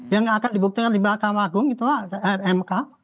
yang akan dibuktikan di bakal lagung itu lah rmk